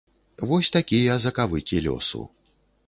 Вось такія закавыкі лёсу.